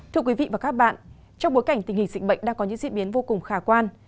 thưa quý vị và các bạn trong bối cảnh tình hình dịch bệnh đang có những diễn biến vô cùng khả quan